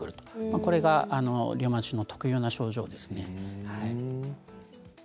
これがリウマチ特有の症状ですね。